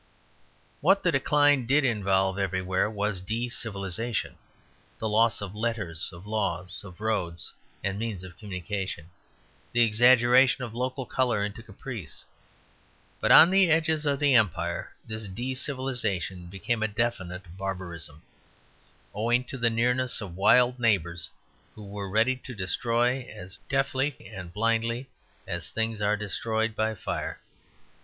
What the decline did involve everywhere was decivilization; the loss of letters, of laws, of roads and means of communication, the exaggeration of local colour into caprice. But on the edges of the Empire this decivilization became a definite barbarism, owing to the nearness of wild neighbours who were ready to destroy as deafly and blindly as things are destroyed by fire.